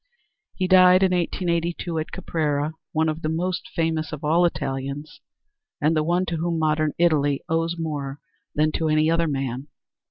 He died in 1882, at Caprera, one of the most famous of all Italians, and the one to whom modern Italy owes more than to any other man.